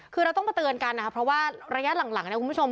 คือเราต้องมาเตือนกันนะครับเพราะว่าระยะหลังเนี่ยคุณผู้ชม